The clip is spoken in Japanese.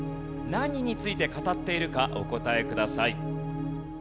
何について語っているかお答えください。